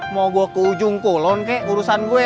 mau gua ke ujung kolon ke urusan gue